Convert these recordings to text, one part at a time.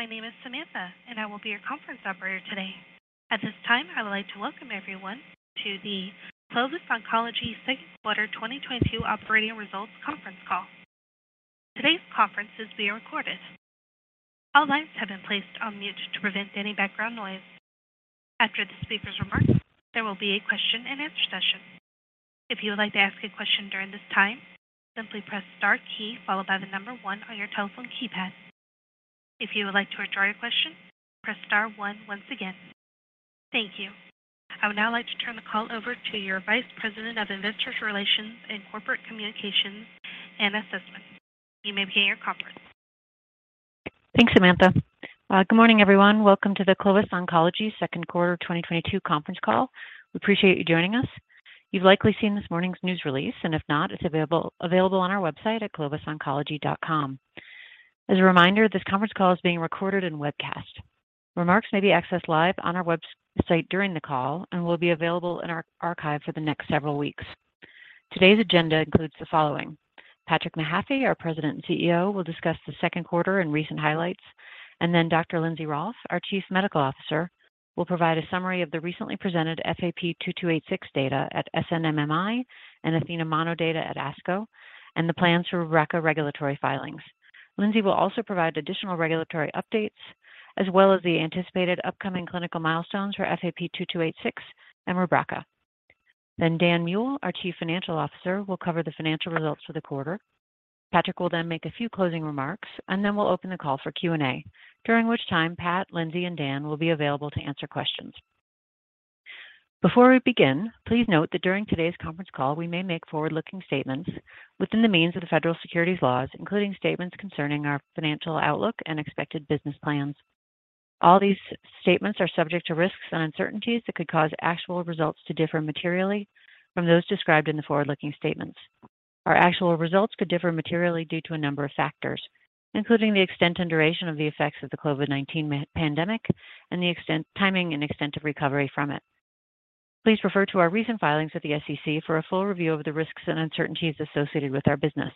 My name is Samantha, and I will be your conference operator today. At this time, I would like to welcome everyone to the Clovis Oncology Second Quarter 2022 Operating Results Conference Call. Today's conference is being recorded. All lines have been placed on mute to prevent any background noise. After the speakers' remarks, there will be a question-and-answer session. If you would like to ask a question during this time, simply press star key followed by the number one on your telephone keypad. If you would like to withdraw your question, press star one once again. Thank you. I would now like to turn the call over to your Vice President of Investor Relations and Corporate Communications, Anna Sussman. You may begin your conference. Thanks, Samantha. Good morning, everyone. Welcome to the Clovis Oncology Second Quarter 2022 conference call. We appreciate you joining us. You've likely seen this morning's news release, and if not, it's available on our website at clovisoncology.com. As a reminder, this conference call is being recorded and webcast. Remarks may be accessed live on our website during the call and will be available in our archive for the next several weeks. Today's agenda includes the following. Patrick Mahaffy, our President and CEO, will discuss the second quarter and recent highlights, and then Dr. Lindsey Rolfe, our Chief Medical Officer, will provide a summary of the recently presented FAP-2286 data at SNMMI and ATHENA-MONO data at ASCO and the plans for Rubraca regulatory filings. Lindsey will also provide additional regulatory updates as well as the anticipated upcoming clinical milestones for FAP-2286 and Rubraca. Dan Muehl, our Chief Financial Officer, will cover the financial results for the quarter. Patrick will then make a few closing remarks, and then we'll open the call for Q&A, during which time Patrick, Lindsey, and Dan will be available to answer questions. Before we begin, please note that during today's conference call, we may make forward-looking statements within the meaning of the Federal Securities Laws, including statements concerning our financial outlook and expected business plans. All these statements are subject to risks and uncertainties that could cause actual results to differ materially from those described in the forward-looking statements. Our actual results could differ materially due to a number of factors, including the extent and duration of the effects of the COVID-19 pandemic and the timing and extent of recovery from it. Please refer to our recent filings with the SEC for a full review of the risks and uncertainties associated with our business.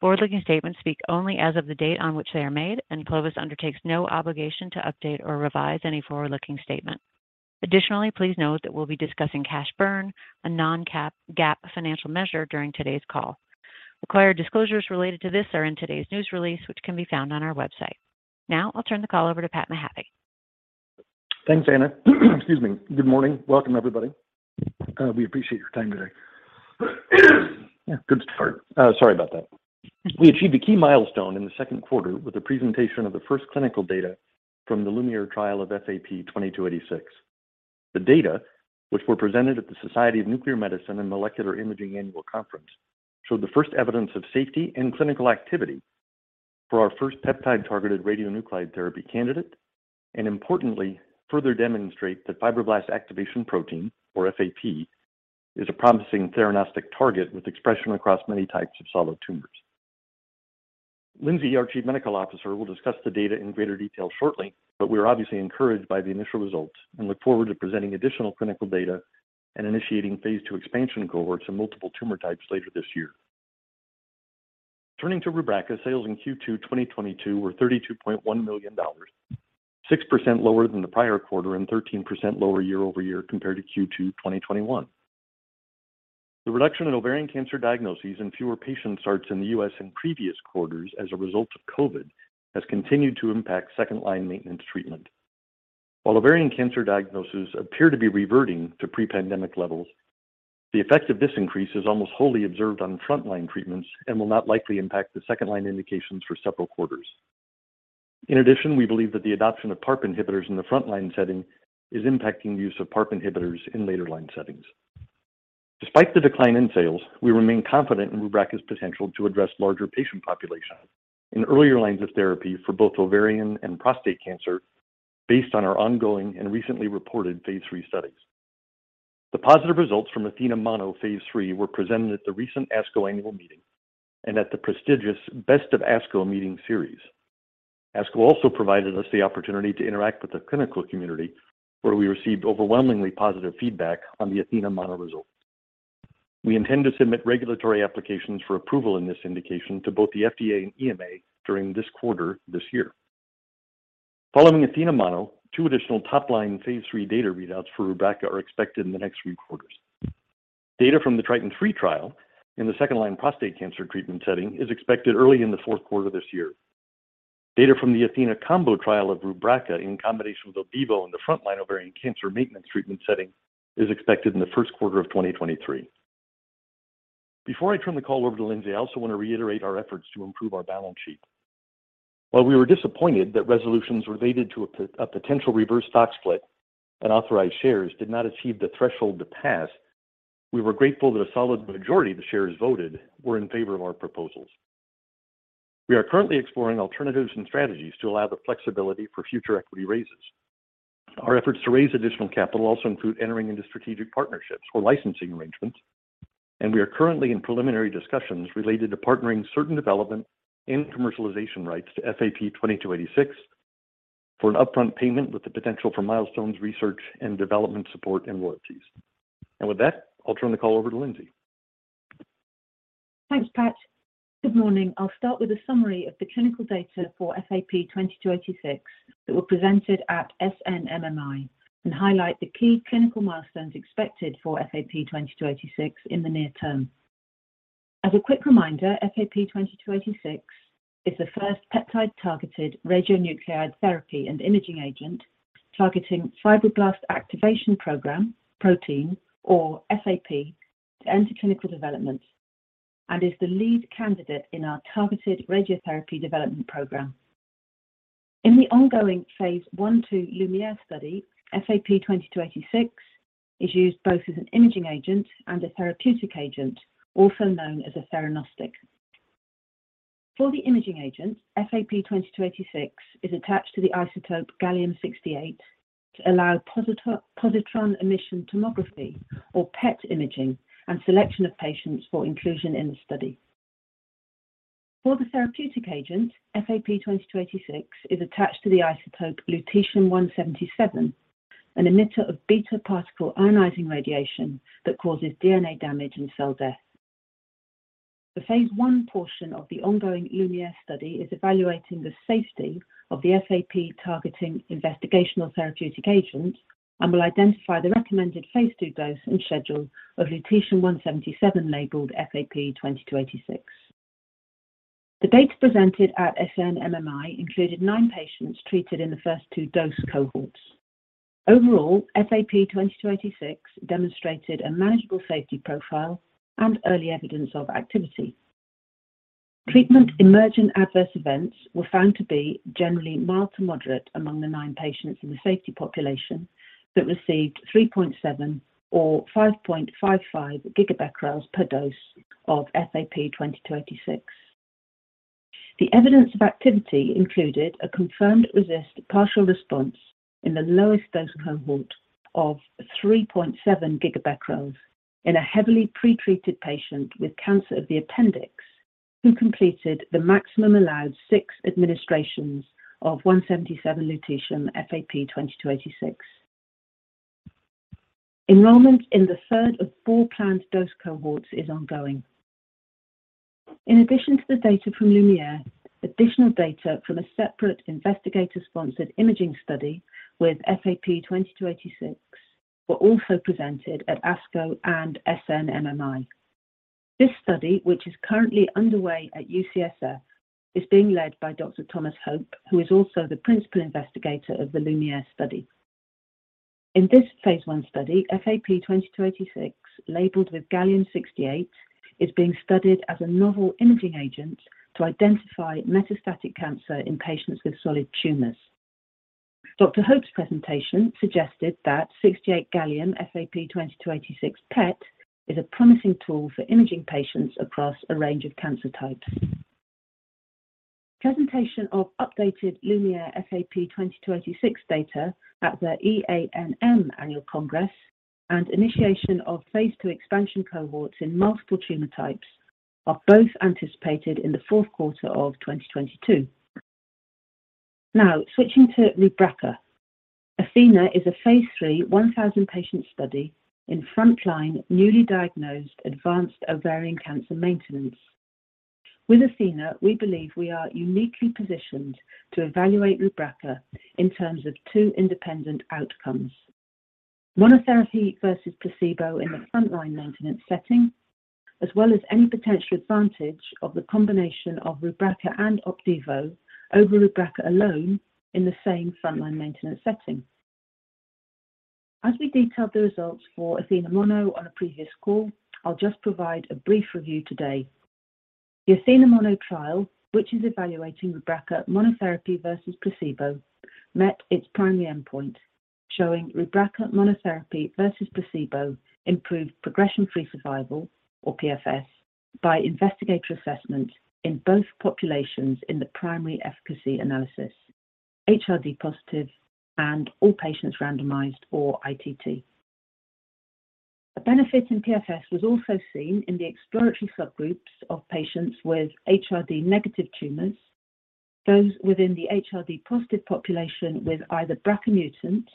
Forward-looking statements speak only as of the date on which they are made, and Clovis undertakes no obligation to update or revise any forward-looking statement. Additionally, please note that we'll be discussing cash burn, a non-GAAP financial measure, during today's call. Required disclosures related to this are in today's news release, which can be found on our website. Now I'll turn the call over to Patrick Mahaffy. Thanks, Anna. Excuse me. Good morning. Welcome, everybody. We appreciate your time today. Yeah, good start. Sorry about that. We achieved a key milestone in the second quarter with the presentation of the first clinical data from the LuMIERE trial of FAP-2286. The data, which were presented at the Society of Nuclear Medicine and Molecular Imaging annual conference, showed the first evidence of safety and clinical activity for our first peptide-targeted radionuclide therapy candidate, and importantly, further demonstrate that fibroblast activation protein, or FAP, is a promising theranostic target with expression across many types of solid tumors. Lindsey, our Chief Medical Officer, will discuss the data in greater detail shortly, but we are obviously encouraged by the initial results and look forward to presenting additional clinical data and initiating phase II expansion cohorts in multiple tumor types later this year. Turning to Rubraca, sales in Q2 2022 were $32.1 million, 6% lower than the prior quarter and 13% lower year-over-year compared to Q2 2021. The reduction in ovarian cancer diagnoses and fewer patient starts in the U.S. in previous quarters as a result of COVID has continued to impact second-line maintenance treatment. While ovarian cancer diagnoses appear to be reverting to pre-pandemic levels, the effect of this increase is almost wholly observed on frontline treatments and will not likely impact the second-line indications for several quarters. In addition, we believe that the adoption of PARP inhibitors in the frontline setting is impacting the use of PARP inhibitors in later line settings. Despite the decline in sales, we remain confident in Rubraca's potential to address larger patient populations in earlier lines of therapy for both ovarian and prostate cancer based on our ongoing and recently reported phase III studies. The positive results from ATHENA-MONO phase III were presented at the recent ASCO annual meeting and at the prestigious Best of ASCO meeting series. ASCO also provided us the opportunity to interact with the clinical community, where we received overwhelmingly positive feedback on the ATHENA-MONO results. We intend to submit regulatory applications for approval in this indication to both the FDA and EMA during this quarter this year. Following ATHENA-MONO, two additional top-line phase III data readouts for Rubraca are expected in the next three quarters. Data from the TRITON3 trial in the second-line prostate cancer treatment setting is expected early in the fourth quarter this year. Data from the ATHENA-COMBO trial of Rubraca in combination with Opdivo in the frontline ovarian cancer maintenance treatment setting is expected in the first quarter of 2023. Before I turn the call over to Lindsay, I also want to reiterate our efforts to improve our balance sheet. While we were disappointed that resolutions related to a potential reverse stock split and authorized shares did not achieve the threshold to pass, we were grateful that a solid majority of the shares voted were in favor of our proposals. We are currently exploring alternatives and strategies to allow the flexibility for future equity raises. Our efforts to raise additional capital also include entering into strategic partnerships or licensing arrangements, and we are currently in preliminary discussions related to partnering certain development and commercialization rights to FAP-2286 for an upfront payment with the potential for milestones, research and development support, and royalties. With that, I'll turn the call over to Lindsey. Thanks, Patrick. Good morning. I'll start with a summary of the clinical data for FAP-2286 that were presented at SNMMI and highlight the key clinical milestones expected for FAP-2286 in the near term. As a quick reminder, FAP-2286 is the first peptide-targeted radionuclide therapy and imaging agent targeting fibroblast activation protein or FAP to enter clinical development and is the lead candidate in our targeted radiotherapy development program. In the ongoing phase I/II LuMIERE study, FAP-2286 is used both as an imaging agent and a therapeutic agent, also known as a theranostic. For the imaging agent, FAP-2286 is attached to the isotope Gallium-68 to allow positron emission tomography or PET imaging and selection of patients for inclusion in the study. For the therapeutic agent, FAP-2286 is attached to the isotope lutetium-177, an emitter of beta particle ionizing radiation that causes DNA damage and cell death. The phase I portion of the ongoing LuMIERE study is evaluating the safety of the FAP-targeting investigational therapeutic agents and will identify the recommended phase II dose and schedule of lutetium-177 labeled FAP-2286. The data presented at SNMMI included nine patients treated in the first two dose cohorts. Overall, FAP-2286 demonstrated a manageable safety profile and early evidence of activity. Treatment-emergent adverse events were found to be generally mild to moderate among the nine patients in the safety population that received 3.7 or 5.55 gigabecquerels per dose of FAP-2286. The evidence of activity included a confirmed RECIST partial response in the lowest dose cohort of 3.7 gigabecquerels in a heavily pretreated patient with cancer of the appendix who completed the maximum allowed six administrations of lutetium-177 FAP-2286. Enrollment in the third of four planned dose cohorts is ongoing. In addition to the data from LuMIERE, additional data from a separate investigator-sponsored imaging study with FAP-2286 were also presented at ASCO and SNMMI. This study, which is currently underway at UCSF, is being led by Dr. Thomas Hope, who is also the principal investigator of the LuMIERE study. In this phase I study, FAP-2286 labeled with Gallium-68 is being studied as a novel imaging agent to identify metastatic cancer in patients with solid tumors. Dr. Hope's presentation suggested that Gallium-68 FAP-2286 PET is a promising tool for imaging patients across a range of cancer types. Presentation of updated LuMIERE FAP-2286 data at the EANM Annual Congress and initiation of phase II expansion cohorts in multiple tumor types are both anticipated in the fourth quarter of 2022. Now switching to Rubraca. ATHENA is a phase III, 1,000-patient study in front-line, newly diagnosed advanced ovarian cancer maintenance. With ATHENA, we believe we are uniquely positioned to evaluate Rubraca in terms of two independent outcomes, monotherapy versus placebo in the front-line maintenance setting, as well as any potential advantage of the combination of Rubraca and Opdivo over Rubraca alone in the same front-line maintenance setting. As we detailed the results for ATHENA-MONO on a previous call, I'll just provide a brief review today. The ATHENA-MONO trial, which is evaluating Rubraca monotherapy versus placebo, met its primary endpoint, showing Rubraca monotherapy versus placebo improved progression-free survival or PFS by investigator assessment in both populations in the primary efficacy analysis, HRD positive and all patients randomized or ITT. A benefit in PFS was also seen in the exploratory subgroups of patients with HRD-negative tumors, those within the HRD-positive population with either BRCA-mutant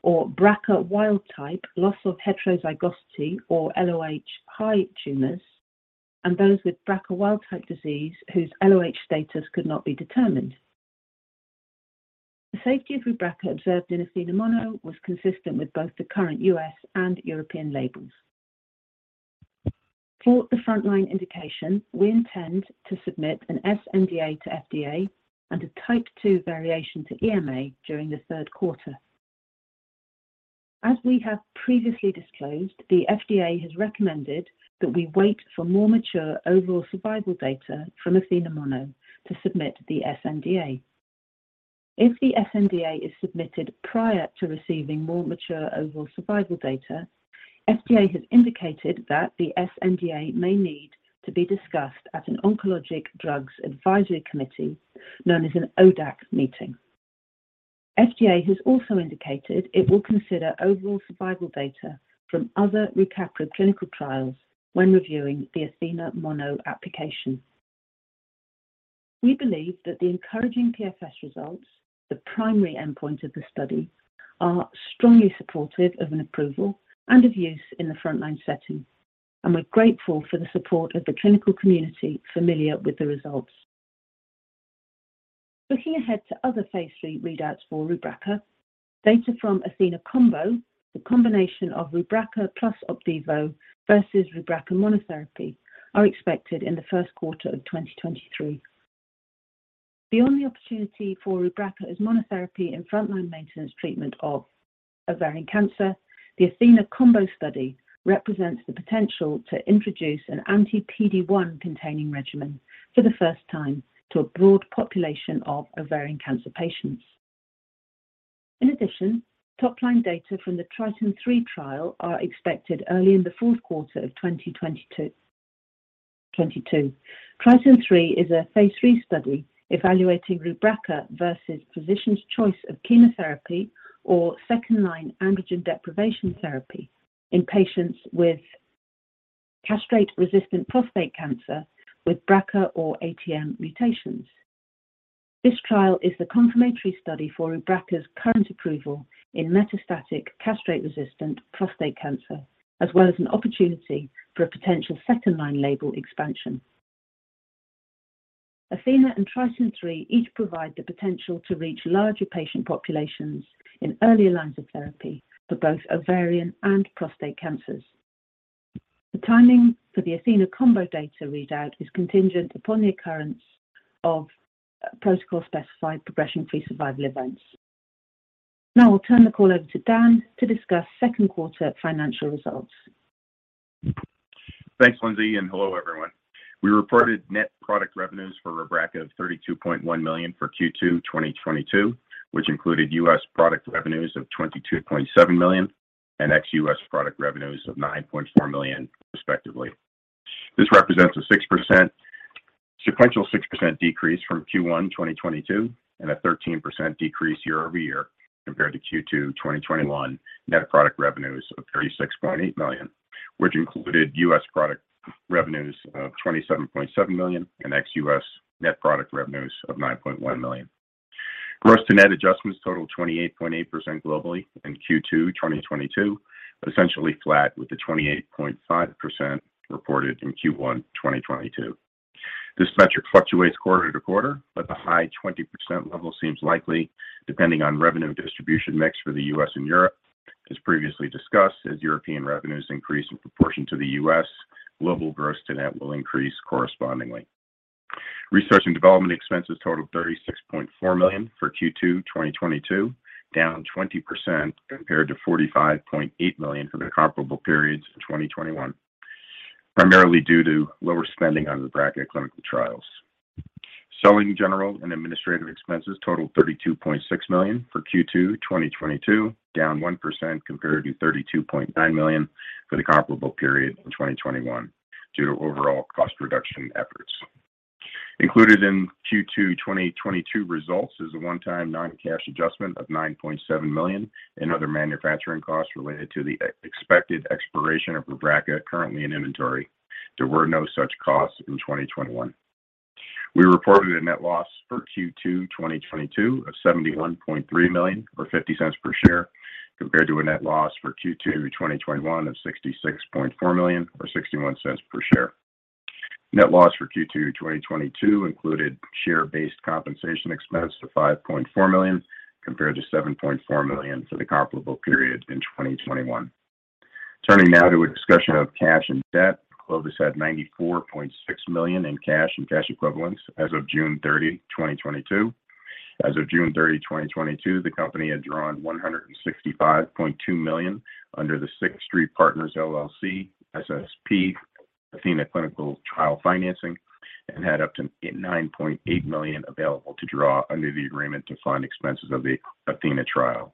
or BRCA wild-type loss of heterozygosity or LOH-high tumors, and those with BRCA wild-type disease whose LOH status could not be determined. The safety of Rubraca observed in ATHENA-MONO was consistent with both the current U.S. and European labels. For the front-line indication, we intend to submit an sNDA to FDA and a Type 2 variation to EMA during the third quarter. As we have previously disclosed, the FDA has recommended that we wait for more mature overall survival data from ATHENA-MONO to submit the sNDA. If the sNDA is submitted prior to receiving more mature overall survival data, FDA has indicated that the sNDA may need to be discussed at an Oncologic Drugs Advisory Committee known as an ODAC meeting. FDA has also indicated it will consider overall survival data from other rucaparib clinical trials when reviewing the ATHENA-MONO application. We believe that the encouraging PFS results, the primary endpoint of the study, are strongly supportive of an approval and of use in the frontline setting, and we're grateful for the support of the clinical community familiar with the results. Looking ahead to other phase III readouts for Rubraca, data from ATHENA-COMBO, the combination of Rubraca + Opdivo versus Rubraca monotherapy, are expected in the first quarter of 2023. Beyond the opportunity for Rubraca as monotherapy in frontline maintenance treatment of ovarian cancer, the ATHENA-COMBO study represents the potential to introduce an anti-PD-1 containing regimen for the first time to a broad population of ovarian cancer patients. In addition, top-line data from the TRITON3 trial are expected early in the fourth quarter of 2022. TRITON3 is a phase III study evaluating Rubraca versus physician's choice of chemotherapy or second-line androgen deprivation therapy in patients with castration-resistant prostate cancer with BRCA or ATM mutations. This trial is the confirmatory study for Rubraca's current approval in metastatic castration-resistant prostate cancer, as well as an opportunity for a potential second-line label expansion. ATHENA and TRITON3 each provide the potential to reach larger patient populations in earlier lines of therapy for both ovarian and prostate cancers. The timing for the ATHENA-COMBO data readout is contingent upon the occurrence of protocol-specified progression-free survival events. Now I'll turn the call over to Dan to discuss second quarter financial results. Thanks, Lindsey, and hello, everyone. We reported net product revenues for Rubraca of $32.1 million for Q2 2022, which included U.S. product revenues of $22.7 million and ex-U.S. product revenues of $9.4 million respectively. This represents a 6% sequential 6% decrease from Q1 2022 and a 13% decrease year-over-year compared to Q2 2021 net product revenues of $36.8 million, which included U.S. product revenues of $27.7 million and ex-U.S. net product revenues of $9.1 million. Gross to net adjustments totaled 28.8% globally in Q2 2022, essentially flat with the 28.5% reported in Q1 2022. This metric fluctuates quarter to quarter, but the high 20% level seems likely depending on revenue distribution mix for the U.S. and Europe. As previously discussed, as European revenues increase in proportion to the U.S., global gross to net will increase correspondingly. Research and development expenses totaled $36.4 million for Q2 2022, down 20% compared to $45.8 million for the comparable periods in 2021, primarily due to lower spending on the Rubraca clinical trials. Selling, general, and administrative expenses totaled $32.6 million for Q2 2022, down 1% compared to $32.9 million for the comparable period in 2021 due to overall cost reduction efforts. Included in Q2 2022 results is a one-time non-cash adjustment of $9.7 million in other manufacturing costs related to the expected expiration of Rubraca currently in inventory. There were no such costs in 2021. We reported a net loss for Q2 2022 of $71.3 million or $0.50 per share compared to a net loss for Q2 2021 of $66.4 million or $0.61 per share. Net loss for Q2 2022 included share-based compensation expense of $5.4 million compared to $7.4 million for the comparable period in 2021. Turning now to a discussion of cash and debt, Clovis had $94.6 million in cash and cash equivalents as of June 30, 2022. As of June 30, 2022, the company had drawn $165.2 million under the Sixth Street Partners LLC SSP ATHENA clinical trial financing and had up to $9.8 million available to draw under the agreement to fund expenses of the ATHENA trial.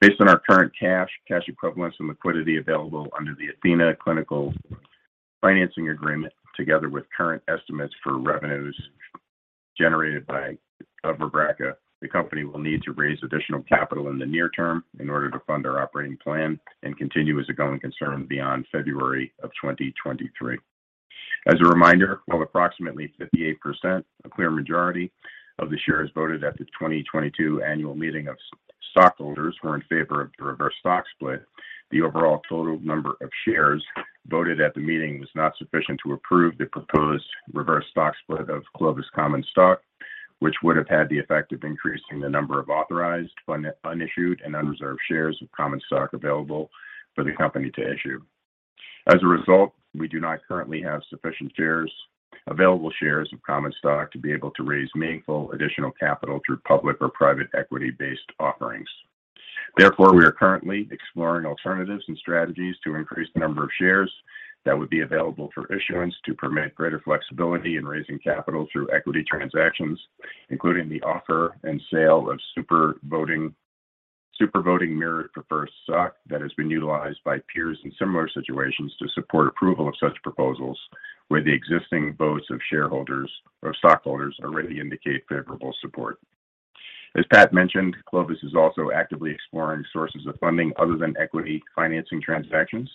Based on our current cash equivalents, and liquidity available under the ATHENA clinical financing agreement together with current estimates for revenues generated by Rubraca, the company will need to raise additional capital in the near term in order to fund our operating plan and continue as a going concern beyond February 2023. As a reminder, while approximately 58%, a clear majority of the shares voted at the 2022 annual meeting of stockholders were in favor of the reverse stock split, the overall total number of shares voted at the meeting was not sufficient to approve the proposed reverse stock split of Clovis common stock, which would have had the effect of increasing the number of authorized unissued and unreserved shares of common stock available for the company to issue. As a result, we do not currently have sufficient available shares of common stock to be able to raise meaningful additional capital through public or private equity-based offerings. Therefore, we are currently exploring alternatives and strategies to increase the number of shares that would be available for issuance to permit greater flexibility in raising capital through equity transactions, including the offer and sale of super-voting preferred stock that has been utilized by peers in similar situations to support approval of such proposals where the existing votes of shareholders or stockholders already indicate favorable support. As Patrick mentioned, Clovis is also actively exploring sources of funding other than equity financing transactions,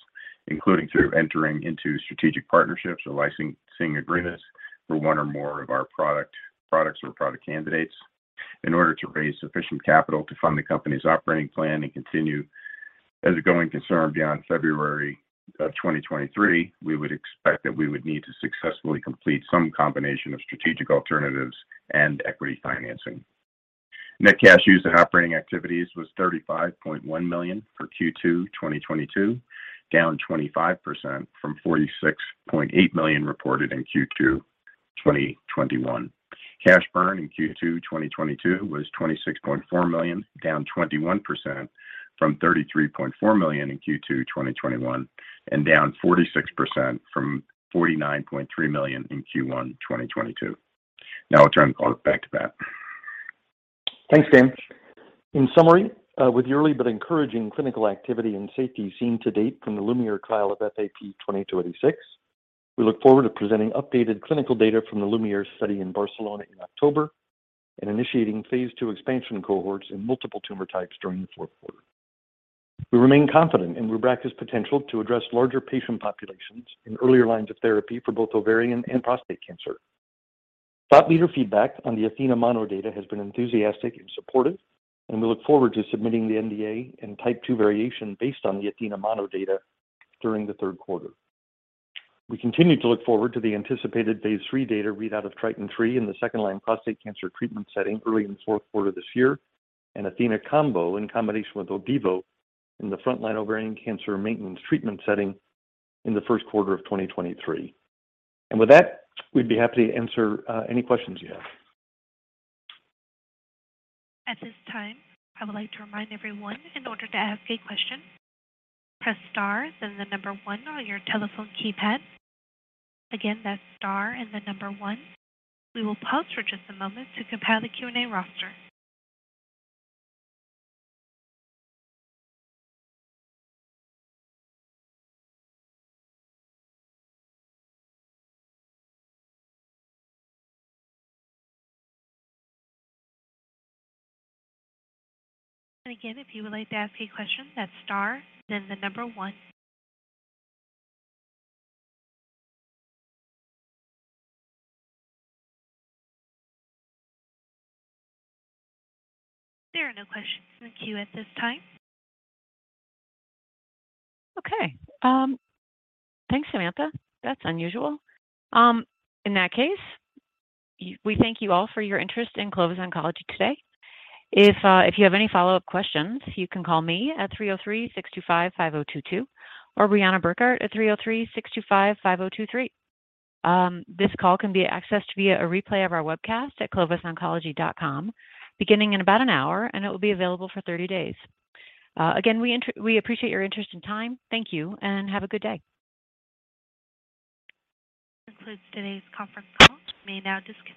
including through entering into strategic partnerships or licensing agreements for one or more of our products or product candidates. In order to raise sufficient capital to fund the company's operating plan and continue as a going concern beyond February of 2023, we would expect that we would need to successfully complete some combination of strategic alternatives and equity financing. Net cash used in operating activities was $35.1 million for Q2 2022, down 25% from $46.8 million reported in Q2 2021. Cash burn in Q2 2022 was $26.4 million, down 21% from $33.4 million in Q2 2021 and down 46% from $49.3 million in Q1 2022. Now I'll turn the call back to Patrick. Thanks, Dan. In summary, with the early but encouraging clinical activity and safety seen to date from the LuMIERE trial of FAP-2286, we look forward to presenting updated clinical data from the LuMIERE study in Barcelona in October and initiating phase II expansion cohorts in multiple tumor types during the fourth quarter. We remain confident in Rubraca's potential to address larger patient populations in earlier lines of therapy for both ovarian and prostate cancer. Thought leader feedback on the ATHENA-MONO data has been enthusiastic and supportive, and we look forward to submitting the sNDA and type two variation based on the ATHENA-MONO data during the third quarter. We continue to look forward to the anticipated phase III data readout of TRITON3 in the second-line prostate cancer treatment setting early in the fourth quarter this year and ATHENA-COMBO in combination with Opdivo in the front-line ovarian cancer maintenance treatment setting in the first quarter of 2023. With that, we'd be happy to answer any questions you have. At this time, I would like to remind everyone in order to ask a question, press star then the number one on your telephone keypad. Again, that's star and the number one. We will pause for just a moment to compile the Q&A roster. Again, if you would like to ask a question, that's star then the number one. There are no questions in the queue at this time. Okay, thanks, Samantha. That's unusual. In that case, we thank you all for your interest in Clovis Oncology today. If you have any follow-up questions, you can call me at 303-625-5022 or Breanna Burkart at 303-625-5023. This call can be accessed via a replay of our webcast at clovisoncology.com beginning in about an hour, and it will be available for 30 days. Again, we appreciate your interest and time. Thank you and have a good day. This concludes today's conference call. You may now disconnect.